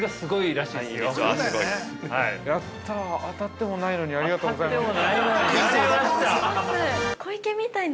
当たってもないのにありがとうございます。